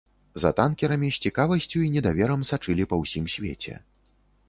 За танкерамі з цікавасцю і недаверам сачылі па ўсім свеце.